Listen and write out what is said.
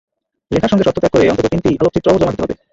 লেখার সঙ্গে স্বত্ব ত্যাগ করে অন্তত তিনটি আলোকচিত্রও জমা দিতে হবে।